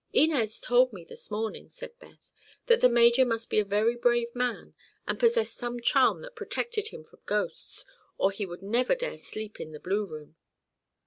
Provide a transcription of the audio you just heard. "Inez told me this morning," said Beth, "that the major must be a very brave man and possessed some charm that protected him from ghosts, or he would never dare sleep in the blue room."